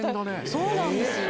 そうなんですよ。